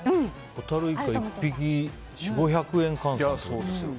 ホタルイカ１匹４００５００円換算ですね。